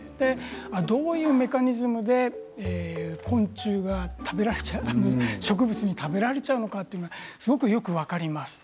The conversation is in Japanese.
どういうメカニズムで昆虫が食べられてしまうのか植物に食べられてしまうのかということがすごくよく分かります。